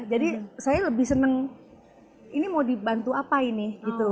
jadi saya lebih senang ini mau dibantu apa ini